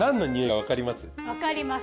わかります。